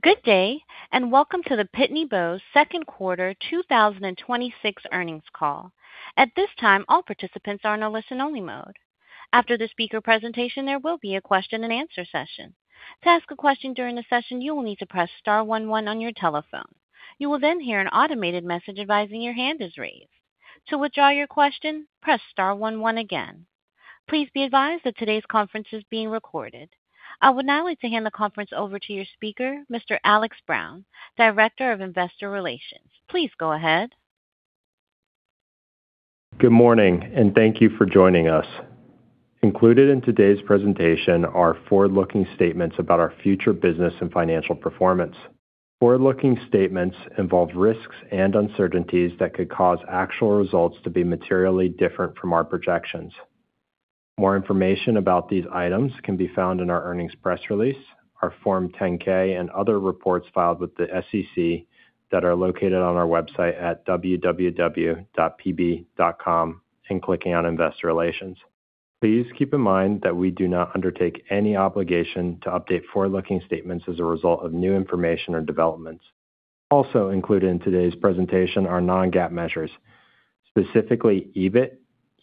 Good day, welcome to the Pitney Bowes second quarter 2026 earnings call. At this time, all participants are in a listen-only mode. After the speaker presentation, there will be a question-and-answer session. To ask a question during the session, you will need to press star one one on your telephone. You will then hear an automated message advising your hand is raised. To withdraw your question, press star one one again. Please be advised that today's conference is being recorded. I would now like to hand the conference over to your speaker, Mr. Alex Brown, Director of Investor Relations. Please go ahead. Good morning, thank you for joining us. Included in today's presentation are forward-looking statements about our future business and financial performance. Forward-looking statements involve risks and uncertainties that could cause actual results to be materially different from our projections. More information about these items can be found in our earnings press release, our Form 10-K, and other reports filed with the SEC that are located on our website at www.pb.com, clicking on Investor Relations. Please keep in mind that we do not undertake any obligation to update forward-looking statements as a result of new information or developments. Also included in today's presentation are non-GAAP measures. Specifically, EBIT,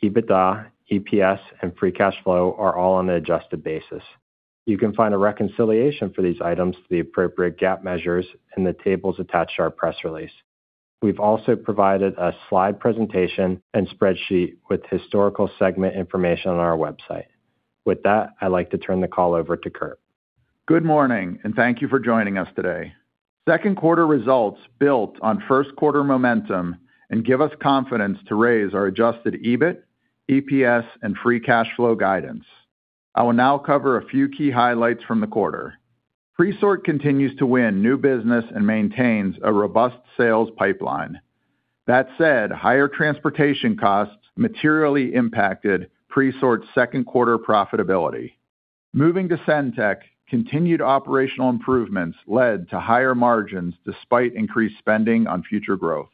EBITDA, EPS, and free cash flow are all on an adjusted basis. You can find a reconciliation for these items to the appropriate GAAP measures in the tables attached to our press release. We've also provided a slide presentation and spreadsheet with historical segment information on our website. With that, I'd like to turn the call over to Kurt. Good morning, thank you for joining us today. Second quarter results built on first quarter momentum and give us confidence to raise our adjusted EBIT, EPS, and free cash flow guidance. I will now cover a few key highlights from the quarter. Presort continues to win new business and maintains a robust sales pipeline. That said, higher transportation costs materially impacted Presort's second quarter profitability. Moving to SendTech, continued operational improvements led to higher margins despite increased spending on future growth.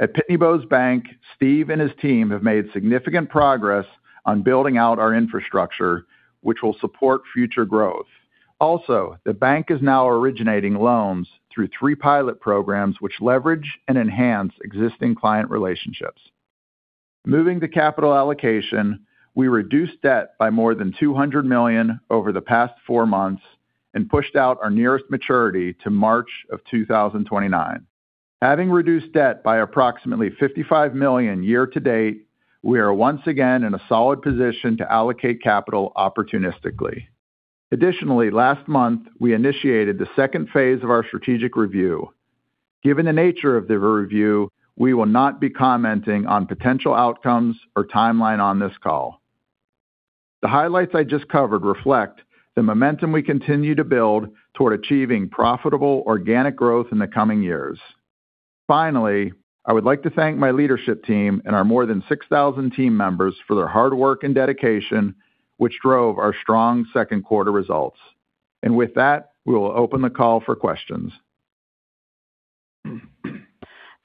At Pitney Bowes Bank, Steve and his team have made significant progress on building out our infrastructure, which will support future growth. Also, the bank is now originating loans through three pilot programs which leverage and enhance existing client relationships. Moving to capital allocation, we reduced debt by more than $200 million over the past four months and pushed out our nearest maturity to March of 2029. Having reduced debt by approximately $55 million year-to-date, we are once again in a solid position to allocate capital opportunistically. Additionally, last month, we initiated the second phase of our Strategic Review. Given the nature of the review, we will not be commenting on potential outcomes or timeline on this call. The highlights I just covered reflect the momentum we continue to build toward achieving profitable organic growth in the coming years. Finally, I would like to thank my leadership team and our more than 6,000 team members for their hard work and dedication, which drove our strong second quarter results. With that, we will open the call for questions.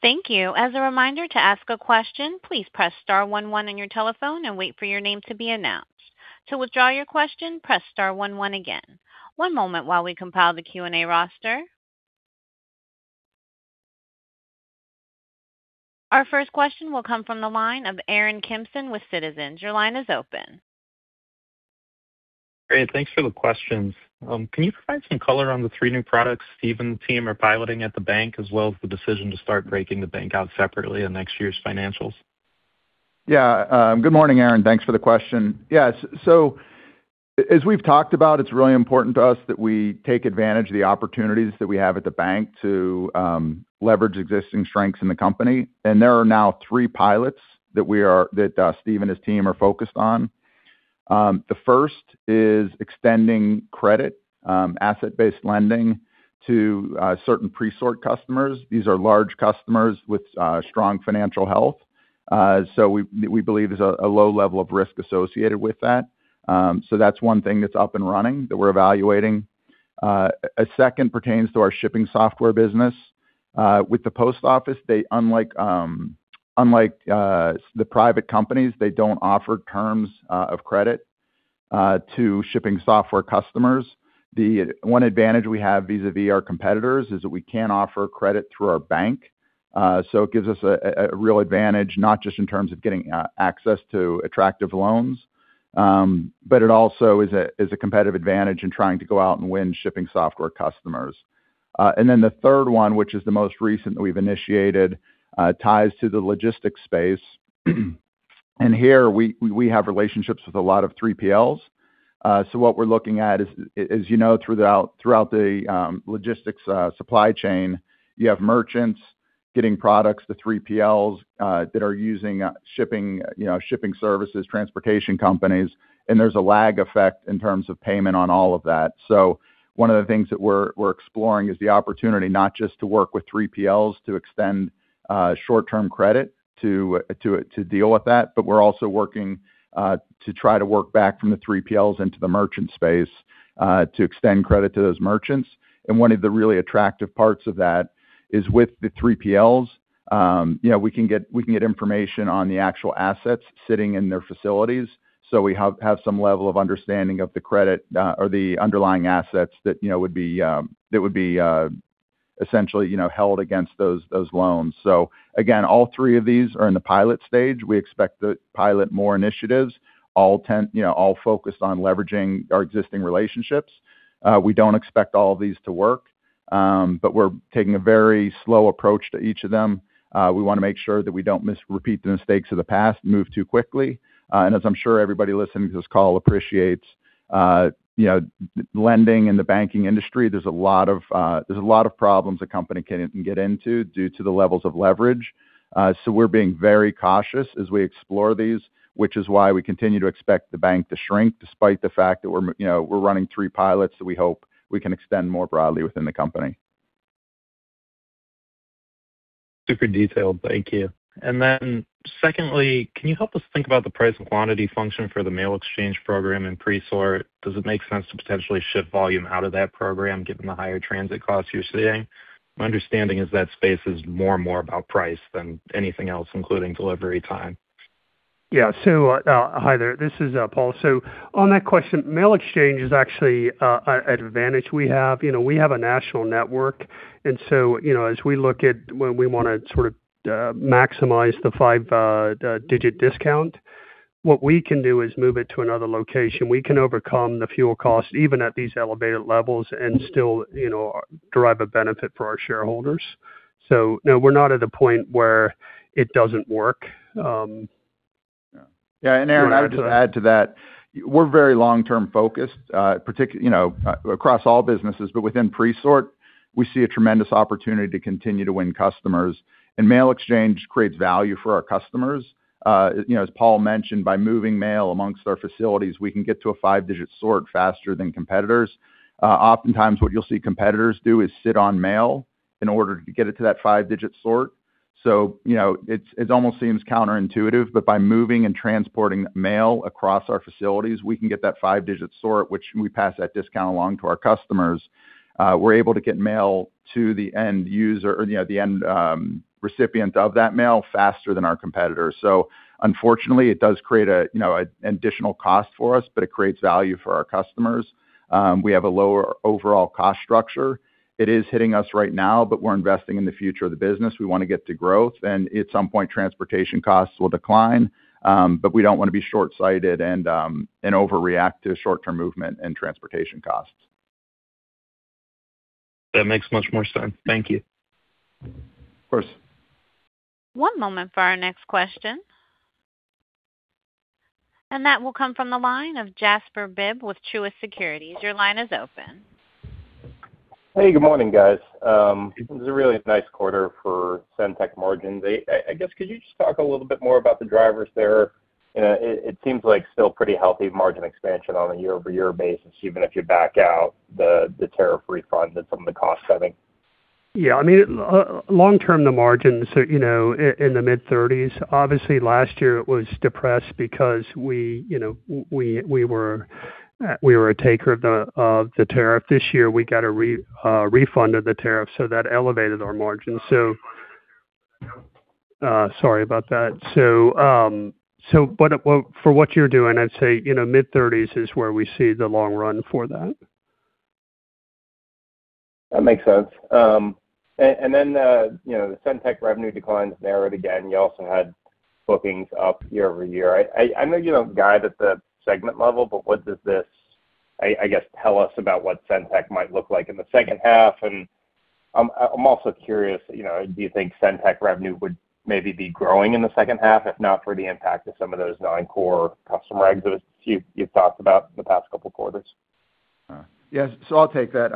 Thank you. As a reminder, to ask a question, please press star one one on your telephone and wait for your name to be announced. To withdraw your question, press star one one again. One moment while we compile the Q&A roster. Our first question will come from the line of Aaron Kimson with Citizens. Your line is open. Great. Thanks for the questions. Can you provide some color on the three new products Steve and the team are piloting at the bank, as well as the decision to start breaking the bank out separately in next year's financials? Good morning, Aaron. Thanks for the question. As we've talked about, it's really important to us that we take advantage of the opportunities that we have at the bank to leverage existing strengths in the company. There are now three pilots that Steve and his team are focused on. The first is extending credit, asset-based lending to certain Presort customers. These are large customers with strong financial health. We believe there's a low level of risk associated with that. That's one thing that's up and running that we're evaluating. A second pertains to our shipping software business. With the post office, unlike the private companies, they don't offer terms of credit to shipping software customers. The one advantage we have vis-a-vis our competitors is that we can offer credit through our bank. It gives us a real advantage, not just in terms of getting access to attractive loans, but it also is a competitive advantage in trying to go out and win shipping software customers. The third one, which is the most recent that we've initiated, ties to the logistics space. Here we have relationships with a lot of 3PLs. What we're looking at is, as you know, throughout the logistics supply chain, you have merchants getting products to 3PLs that are using shipping services, transportation companies, and there's a lag effect in terms of payment on all of that. One of the things that we're exploring is the opportunity not just to work with 3PLs to extend short-term credit to deal with that, but we're also working to try to work back from the 3PLs into the merchant space to extend credit to those merchants. One of the really attractive parts of that is with the 3PLs. We can get information on the actual assets sitting in their facilities. We have some level of understanding of the credit, or the underlying assets that would be essentially held against those loans. Again, all three of these are in the pilot stage. We expect to pilot more initiatives, all focused on leveraging our existing relationships. We don't expect all of these to work, but we're taking a very slow approach to each of them. We want to make sure that we don't repeat the mistakes of the past, move too quickly. As I'm sure everybody listening to this call appreciates lending in the banking industry, there's a lot of problems a company can get into due to the levels of leverage. We're being very cautious as we explore these, which is why we continue to expect the Bank to shrink, despite the fact that we're running three pilots that we hope we can extend more broadly within the company. Super detailed. Thank you. Secondly, can you help us think about the price and quantity function for the Mail Exchange program in Presort? Does it make sense to potentially shift volume out of that program given the higher transit costs you're seeing? My understanding is that space is more and more about price than anything else, including delivery time. Yeah. Hi there. This is Paul. On that question, Mail Exchange is actually an advantage we have. We have a national network, and as we look at when we want to sort of maximize the five-digit discount, what we can do is move it to another location. We can overcome the fuel cost, even at these elevated levels, and still derive a benefit for our shareholders. No, we're not at a point where it doesn't work. Yeah. Aaron, I would just add to that, we're very long-term focused, across all businesses. But within Presort, we see a tremendous opportunity to continue to win customers, and Mail Exchange creates value for our customers. As Paul mentioned, by moving mail amongst our facilities, we can get to a five-digit sort faster than competitors. Oftentimes, what you'll see competitors do is sit on mail in order to get it to that five-digit sort. It almost seems counterintuitive, but by moving and transporting mail across our facilities, we can get that five-digit sort, which we pass that discount along to our customers. We're able to get mail to the end recipient of that mail faster than our competitors. Unfortunately, it does create an additional cost for us, but it creates value for our customers. We have a lower overall cost structure. It is hitting us right now, we're investing in the future of the business. We want to get to growth, at some point, transportation costs will decline. We don't want to be shortsighted and overreact to short-term movement and transportation costs. That makes much more sense. Thank you. Of course. One moment for our next question. That will come from the line of Jasper Bibb with Truist Securities. Your line is open. Hey, good morning, guys. This was a really nice quarter for SendTech margins. I guess could you just talk a little bit more about the drivers there? It seems like still pretty healthy margin expansion on a year-over-year basis, even if you back out the tariff refund and some of the cost-cutting. Yeah. Long-term, the margins in the mid-30s. Obviously, last year it was depressed because we were a taker of the tariff. This year we got a refund of the tariff, so that elevated our margins. Sorry about that. For what you're doing, I'd say mid-30s is where we see the long run for that. That makes sense. The SendTech revenue declines narrowed again. You also had bookings up year-over-year. I know you don't guide at the segment level, but what does this, I guess, tell us about what SendTech might look like in the second half? I'm also curious, do you think SendTech revenue would maybe be growing in the second half, if not for the impact of some of those non-core customer exits you've talked about the past couple quarters? Yes. I'll take that.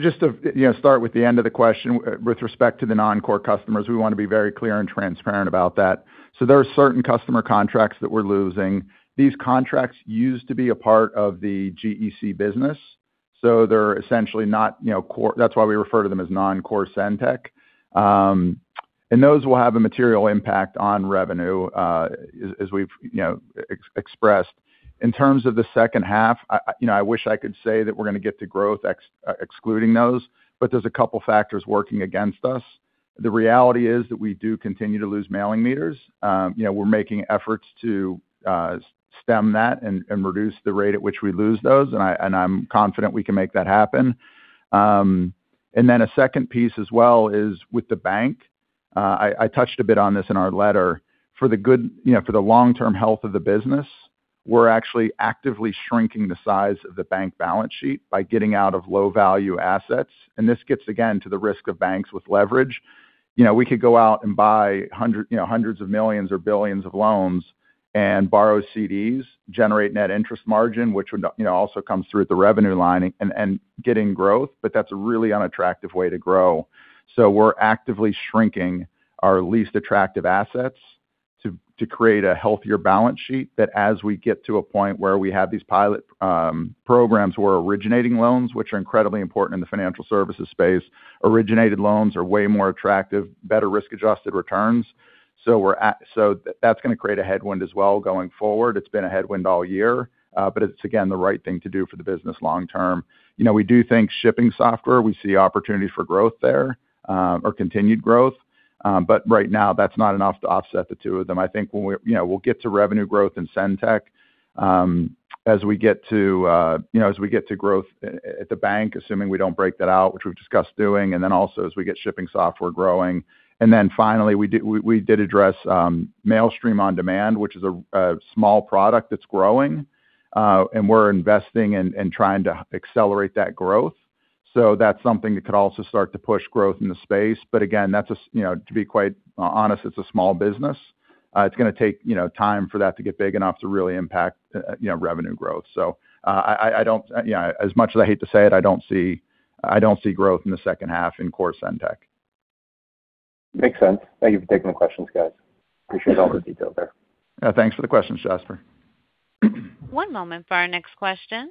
Just to start with the end of the question, with respect to the non-core customers, we want to be very clear and transparent about that. There are certain customer contracts that we're losing. These contracts used to be a part of the GEC business, so they're essentially not core. That's why we refer to them as non-core SendTech. Those will have a material impact on revenue, as we've expressed. In terms of the second half, I wish I could say that we're going to get to growth excluding those, there's a couple factors working against us. The reality is that we do continue to lose mailing meters. We're making efforts to stem that and reduce the rate at which we lose those, and I'm confident we can make that happen. A second piece as well is with the bank. I touched a bit on this in our letter. For the long-term health of the business, we're actually actively shrinking the size of the bank balance sheet by getting out of low-value assets. This gets, again, to the risk of banks with leverage. We could go out and buy hundreds of millions or billions of loans and borrow CDs, generate net interest margin, which would also come through at the revenue line, and getting growth, that's a really unattractive way to grow. We're actively shrinking our least attractive assets to create a healthier balance sheet, that as we get to a point where we have these pilot programs, we're originating loans, which are incredibly important in the financial services space. Originated loans are way more attractive, better risk-adjusted returns. That's going to create a headwind as well going forward. It's been a headwind all year. It's, again, the right thing to do for the business long term. We do think shipping software, we see opportunities for growth there, or continued growth. Right now, that's not enough to offset the two of them. I think we'll get to revenue growth in SendTech as we get to growth at the bank, assuming we don't break that out, which we've discussed doing, also as we get shipping software growing. Finally, we did address Mailstream On Demand, which is a small product that's growing. We're investing and trying to accelerate that growth. That's something that could also start to push growth in the space. Again, to be quite honest, it's a small business. It's going to take time for that to get big enough to really impact revenue growth. I don't see growth in the second half in core SendTech. Makes sense. Thank you for taking the questions, guys. Appreciate all the details there. Yeah, thanks for the question, Jasper. One moment for our next question.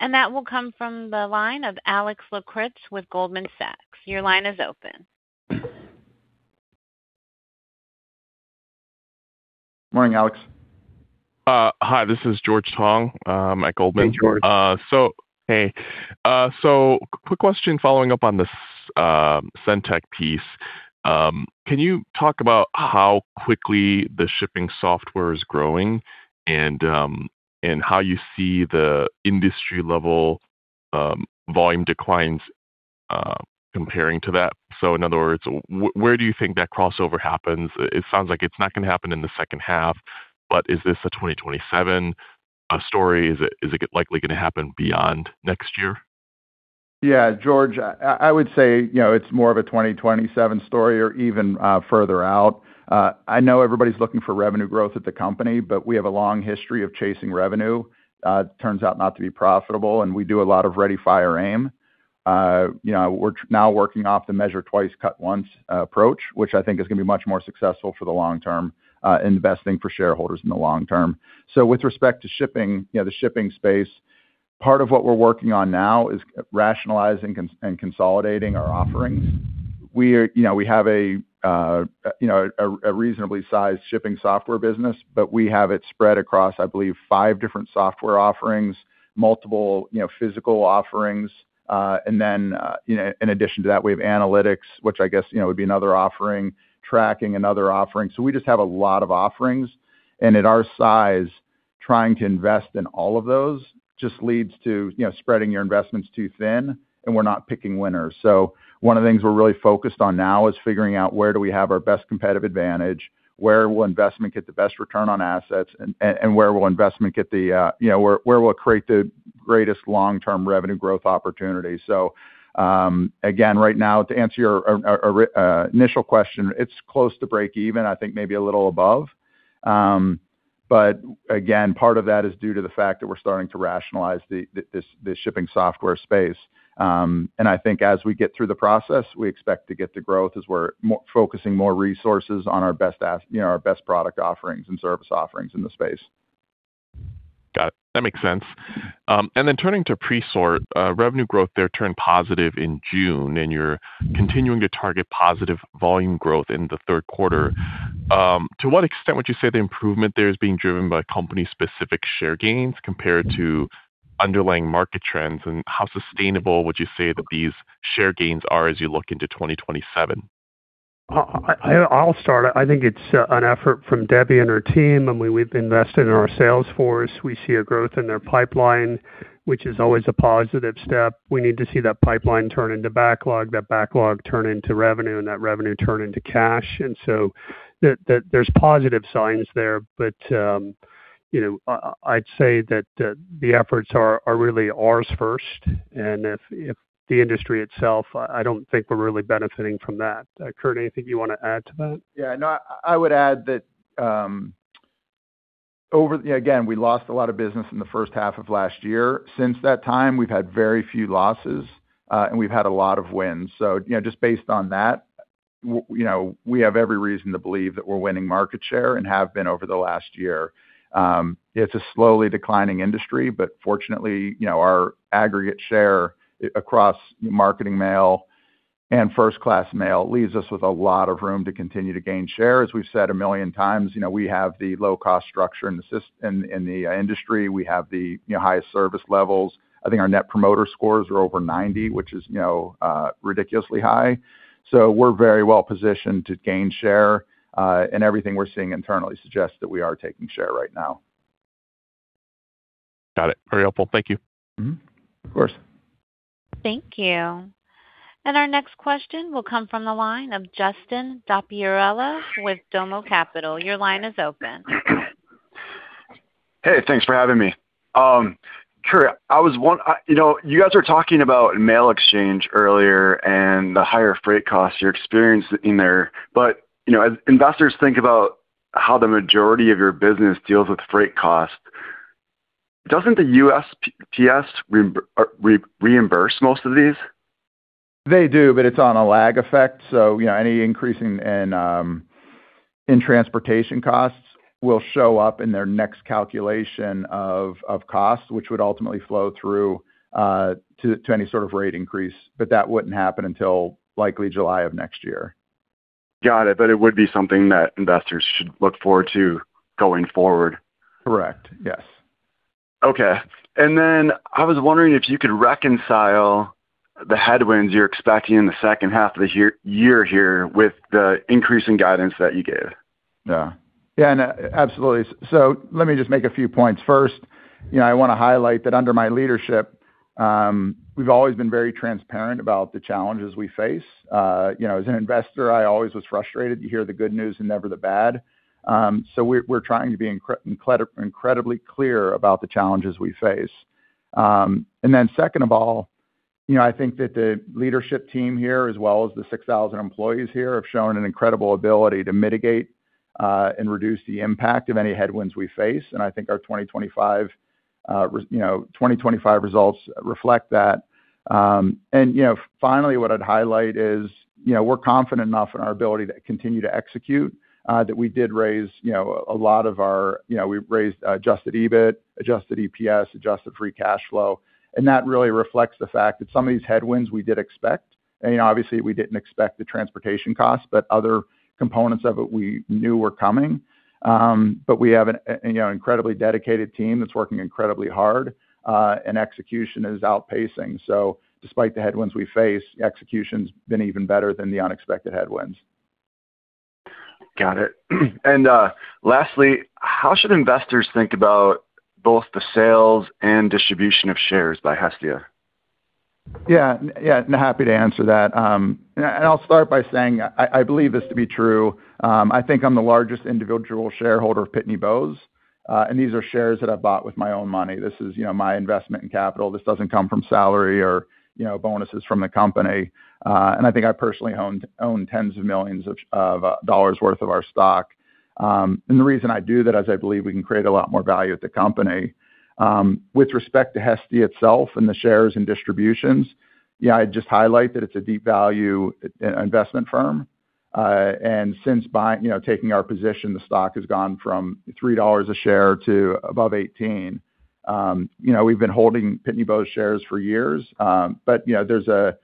That will come from the line of Alex Lakritz with Goldman Sachs. Your line is open. Morning, Alex. Hi, this is George Tong at Goldman. Hey, George. Hey. Quick question following up on the SendTech piece. Can you talk about how quickly the shipping software is growing, and how you see the industry-level volume declines comparing to that? In other words, where do you think that crossover happens? It sounds like it's not going to happen in the second half, but is this a 2027 story? Is it likely going to happen beyond next year? George, I would say, it's more of a 2027 story or even further out. I know everybody's looking for revenue growth at the company, but we have a long history of chasing revenue. Turns out not to be profitable, and we do a lot of ready, fire, aim. We're now working off the measure twice, cut once approach, which I think is going to be much more successful for the long term, and the best thing for shareholders in the long term. With respect to the shipping space, part of what we're working on now is rationalizing and consolidating our offerings. We have a reasonably sized shipping software business, but we have it spread across, I believe, five different software offerings, multiple physical offerings, and then in addition to that, we have analytics, which I guess would be another offering. Tracking, another offering. We just have a lot of offerings, and at our size, trying to invest in all of those just leads to spreading your investments too thin, and we're not picking winners. One of the things we're really focused on now is figuring out where do we have our best competitive advantage, where will investment get the best return on assets, and where will it create the greatest long-term revenue growth opportunity. Again, right now, to answer your initial question, it's close to break even, I think maybe a little above. Again, part of that is due to the fact that we're starting to rationalize the shipping software space. I think as we get through the process, we expect to get to growth as we're focusing more resources on our best product offerings and service offerings in the space. Got it. That makes sense. Then turning to Presort. Revenue growth there turned positive in June, and you're continuing to target positive volume growth in the third quarter. To what extent would you say the improvement there is being driven by company specific share gains compared to underlying market trends? How sustainable would you say that these share gains are as you look into 2027? I'll start. I think it's an effort from Debbie and her team. I mean, we've invested in our sales force. We see a growth in their pipeline, which is always a positive step. We need to see that pipeline turn into backlog, that backlog turn into revenue, and that revenue turn into cash. There's positive signs there, but I'd say that the efforts are really ours first. If the industry itself, I don't think we're really benefiting from that. Kurt, anything you want to add to that? No, I would add that again, we lost a lot of business in the first half of last year. Since that time, we've had very few losses, and we've had a lot of wins. Just based on that, we have every reason to believe that we're winning market share, and have been over the last year. It's a slowly declining industry, but fortunately, our aggregate share across marketing mail and first-class mail leaves us with a lot of room to continue to gain share. As we've said a million times, we have the low-cost structure in the industry. We have the highest service levels. I think our Net Promoter Score are over 90, which is ridiculously high. We're very well positioned to gain share. Everything we're seeing internally suggests that we are taking share right now. Got it. Very helpful. Thank you. Of course. Thank you. Our next question will come from the line of Justin Dopierala with DOMO Capital. Your line is open. Hey, thanks for having me. Kurt, you guys were talking about Mail Exchange earlier, and the higher freight costs you're experiencing there. As investors think about how the majority of your business deals with freight costs, doesn't the USPS reimburse most of these? They do, it's on a lag effect. Any increase in transportation costs will show up in their next calculation of cost, which would ultimately flow through to any sort of rate increase. That wouldn't happen until likely July of next year. Got it. It would be something that investors should look forward to going forward. Correct. Yes. Okay. Then I was wondering if you could reconcile the headwinds you're expecting in the second half of the year here with the increase in guidance that you gave. Yeah. Absolutely. Let me just make a few points. First, I want to highlight that under my leadership, we've always been very transparent about the challenges we face. As an investor, I always was frustrated. You hear the good news and never the bad. We're trying to be incredibly clear about the challenges we face. Then second of all, I think that the leadership team here, as well as the 6,000 employees here, have shown an incredible ability to mitigate and reduce the impact of any headwinds we face. I think our 2025 results reflect that. Finally, what I'd highlight is, we're confident enough in our ability to continue to execute, that we did raise adjusted EBIT, adjusted EPS, adjusted free cash flow. That really reflects the fact that some of these headwinds we did expect, and obviously we didn't expect the transportation costs, other components of it we knew were coming. We have an incredibly dedicated team that's working incredibly hard, and execution is outpacing. Despite the headwinds we face, execution's been even better than the unexpected headwinds. Got it. Lastly, how should investors think about both the sales and distribution of shares by Hestia? Happy to answer that. I'll start by saying I believe this to be true. I'm the largest individual shareholder of Pitney Bowes, and these are shares that I've bought with my own money. This is my investment in capital. This doesn't come from salary or bonuses from the company. I personally own tens of millions of dollars worth of our stock. The reason I do that is I believe we can create a lot more value at the company. With respect to Hestia itself and the shares and distributions, I'd just highlight that it's a deep value investment firm. Since taking our position, the stock has gone from $3 a share to above $18. We've been holding Pitney Bowes shares for years. There's a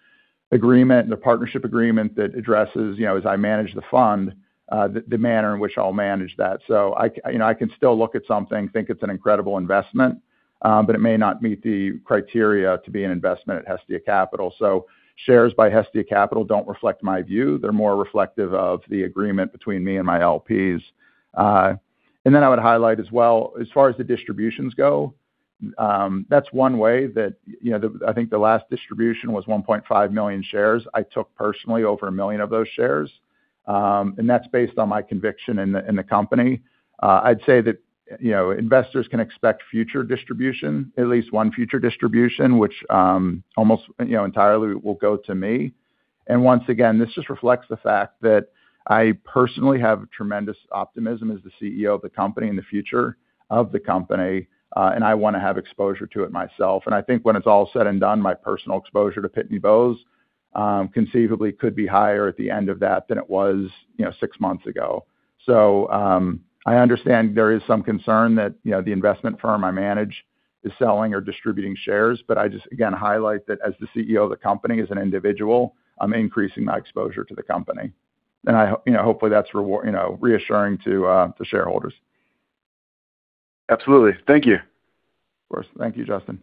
partnership agreement that addresses, as I manage the fund, the manner in which I'll manage that. I can still look at something, think it's an incredible investment, but it may not meet the criteria to be an investment at Hestia Capital. Shares by Hestia Capital don't reflect my view. They're more reflective of the agreement between me and my LPs. I would highlight as well, as far as the distributions go, that's one way that the last distribution was 1.5 million shares. I took personally over 1 million of those shares, and that's based on my conviction in the company. I'd say that investors can expect future distribution, at least one future distribution, which almost entirely will go to me. Once again, this just reflects the fact that I personally have tremendous optimism as the CEO of the company and the future of the company. I want to have exposure to it myself. When it's all said and done, my personal exposure to Pitney Bowes conceivably could be higher at the end of that than it was six months ago. I understand there is some concern that the investment firm I manage is selling or distributing shares, but I just, again, highlight that as the CEO of the company, as an individual, I'm increasing my exposure to the company. Hopefully that's reassuring to shareholders. Absolutely. Thank you. Of course. Thank you, Justin.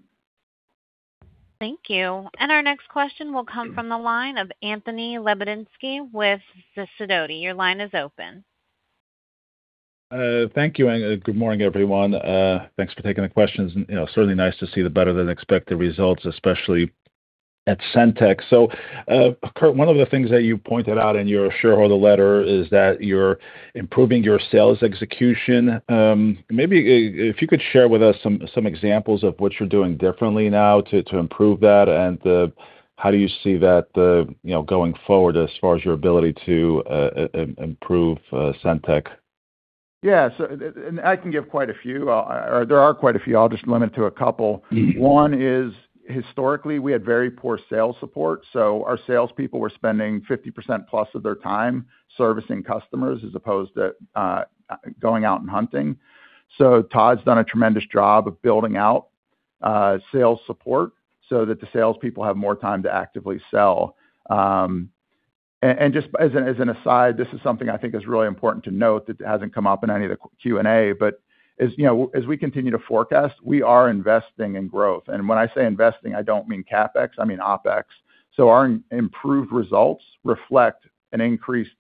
Thank you. Our next question will come from the line of Anthony Lebiedzinski with Sidoti. Your line is open. Thank you, and good morning, everyone. Thanks for taking the questions. Certainly nice to see the better-than-expected results, especially at SendTech. Kurt, one of the things that you pointed out in your shareholder letter is that you're improving your sales execution. Maybe if you could share with us some examples of what you're doing differently now to improve that, and how do you see that going forward as far as your ability to improve SendTech? I can give quite a few. There are quite a few. I'll just limit to a couple. One is, historically, we had very poor sales support, our salespeople were spending 50%+ of their time servicing customers as opposed to going out and hunting. Todd's done a tremendous job of building out sales support so that the salespeople have more time to actively sell. Just as an aside, this is something I think is really important to note that it hasn't come up in any of the Q&A, but as we continue to forecast, we are investing in growth. When I say investing, I don't mean CapEx, I mean OpEx. Our improved results reflect an increased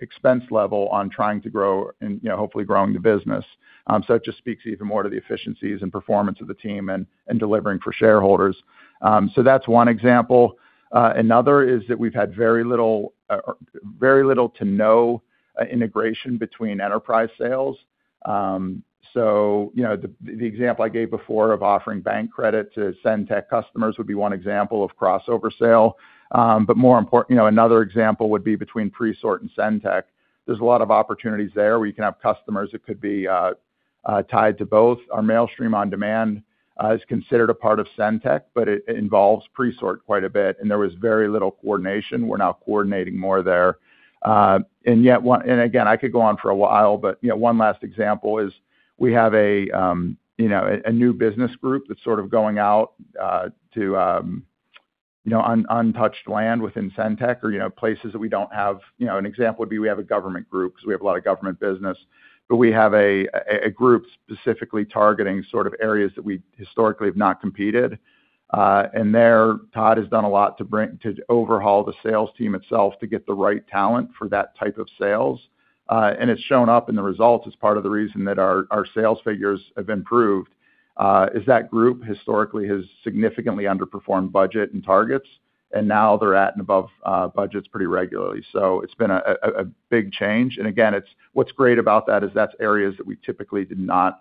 expense level on trying to grow and hopefully growing the business. It just speaks even more to the efficiencies and performance of the team and delivering for shareholders. That's one example. Another is that we've had very little to no integration between enterprise sales. The example I gave before of offering bank credit to SendTech customers would be one example of crossover sale. More important, another example would be between Presort and SendTech. There's a lot of opportunities there where you can have customers that could be tied to both. Our Mailstream On Demand is considered a part of SendTech, but it involves Presort quite a bit, and there was very little coordination. We're now coordinating more there. Again, I could go on for a while, but one last example is we have a new business group that's sort of going out to untouched land within SendTech or places that we don't have. An example would be we have a government group because we have a lot of government business. We have a group specifically targeting sort of areas that we historically have not competed. There, Todd has done a lot to overhaul the sales team itself to get the right talent for that type of sales. It's shown up in the results as part of the reason that our sales figures have improved is that group historically has significantly underperformed budget and targets, and now they're at and above budgets pretty regularly. It's been a big change. Again, what's great about that is that's areas that we typically did not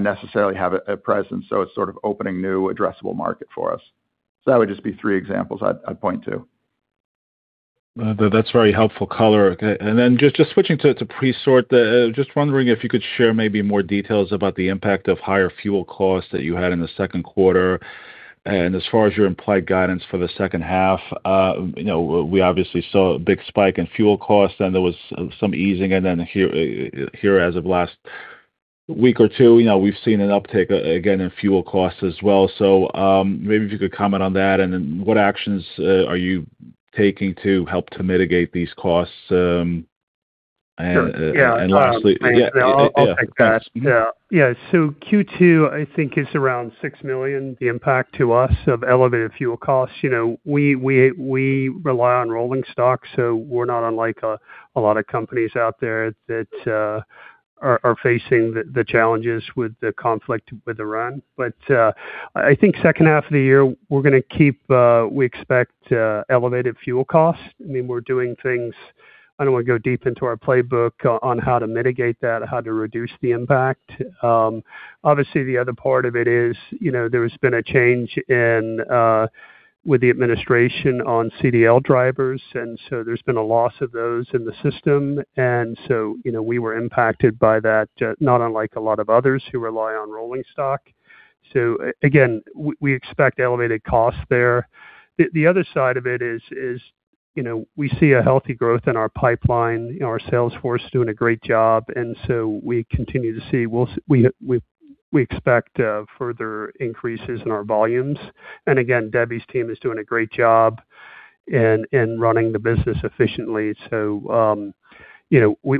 necessarily have a presence. It's sort of opening new addressable market for us. That would just be three examples I'd point to. That's very helpful color. Okay. Then just switching to Presort, just wondering if you could share maybe more details about the impact of higher fuel costs that you had in the second quarter and as far as your implied guidance for the second half. We obviously saw a big spike in fuel costs, then there was some easing. Then here as of last week or two, we've seen an uptick again in fuel costs as well. Maybe if you could comment on that, and then what actions are you taking to help to mitigate these costs? Yeah. I'll take that. Yeah. Q2, I think, is around $6 million. The impact to us of elevated fuel costs. We rely on rolling stock, we're not unlike a lot of companies out there that are facing the challenges with the conflict with Iran. I think second half of the year, we expect elevated fuel costs. I mean, we're doing things, I don't want to go deep into our playbook on how to mitigate that, how to reduce the impact. Obviously, the other part of it is there's been a change with the administration on CDL drivers, there's been a loss of those in the system. We were impacted by that, not unlike a lot of others who rely on rolling stock. Again, we expect elevated costs there. The other side of it is we see a healthy growth in our pipeline, our sales force doing a great job. We expect further increases in our volumes. Again, Debbie's team is doing a great job in running the business efficiently.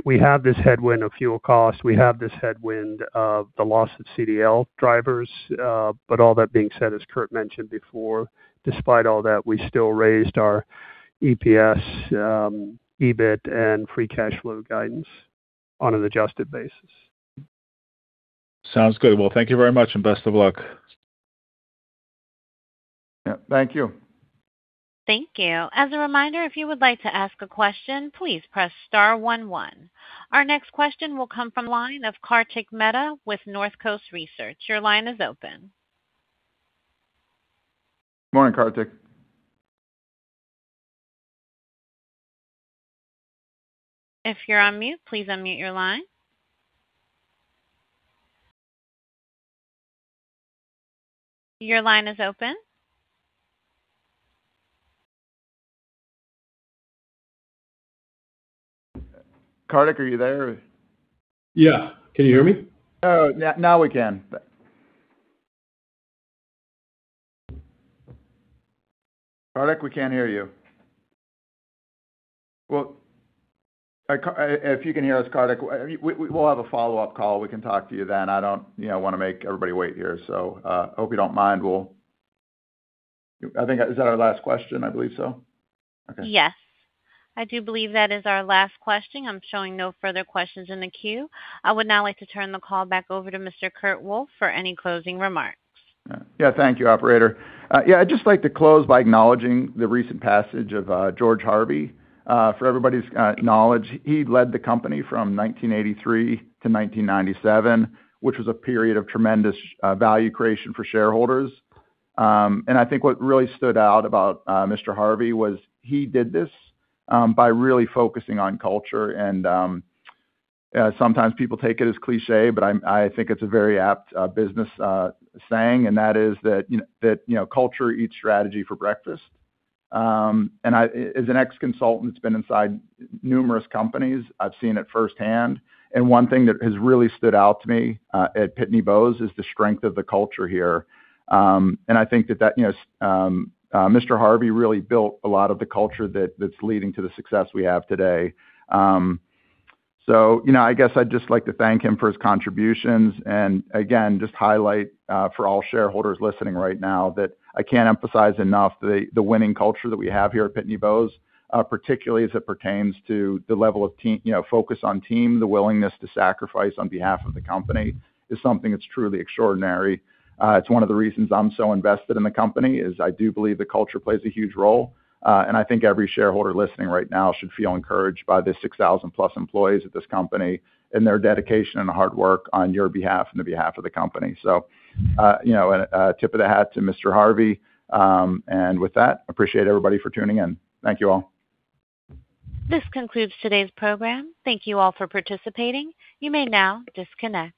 We have this headwind of fuel costs. We have this headwind of the loss of CDL drivers. All that being said, as Kurt mentioned before, despite all that, we still raised our EPS, EBIT and free cash flow guidance on an adjusted basis. Sounds good. Well, thank you very much and best of luck. Yeah, thank you. Thank you. As a reminder, if you would like to ask a question, please press star one. Our next question will come from line of Kartik Mehta with Northcoast Research. Your line is open. Morning, Kartik. If you're on mute, please unmute your line. Your line is open. Kartik, are you there? Yeah. Can you hear me? Now we can. Kartik, we can't hear you. If you can hear us, Kartik, we'll have a follow-up call. We can talk to you then. I don't want to make everybody wait here, hope you don't mind. Is that our last question? I believe so. Okay. Yes. I do believe that is our last question. I'm showing no further questions in the queue. I would now like to turn the call back over to Mr. Kurt Wolf for any closing remarks. Yeah. Thank you, operator. I'd just like to close by acknowledging the recent passage of George Harvey. For everybody's knowledge, he led the company from 1983-1997, which was a period of tremendous value creation for shareholders. I think what really stood out about Mr. Harvey was he did this by really focusing on culture. Sometimes people take it as cliché, but I think it's a very apt business saying, and that is that culture eats strategy for breakfast. As an ex-consultant that's been inside numerous companies, I've seen it firsthand. One thing that has really stood out to me at Pitney Bowes is the strength of the culture here. I think that Mr. Harvey really built a lot of the culture that's leading to the success we have today. I guess I'd just like to thank him for his contributions, and again, just highlight for all shareholders listening right now that I can't emphasize enough the winning culture that we have here at Pitney Bowes, particularly as it pertains to the level of focus on team, the willingness to sacrifice on behalf of the company is something that's truly extraordinary. It's one of the reasons I'm so invested in the company, is I do believe the culture plays a huge role. I think every shareholder listening right now should feel encouraged by the 6,000+ employees at this company and their dedication and hard work on your behalf and the behalf of the company. A tip of the hat to Mr. Harvey. With that, appreciate everybody for tuning in. Thank you all. This concludes today's program. Thank you all for participating. You may now disconnect.